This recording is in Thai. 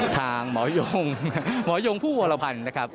ทางหมอยงหมอยงผู้วรพันธ์นะครับ